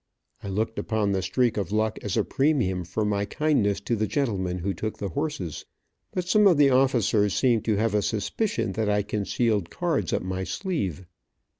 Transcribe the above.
I looked upon the streak of luck as a premium for my kindness to the gentlemen who took the horses, but some of the officers seemed to have a suspicion that I concealed cards up my sleeve.